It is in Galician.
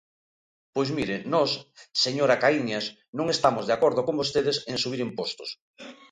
Pois, mire, nós, señora Caíñas, non estamos de acordo con vostedes en subir impostos.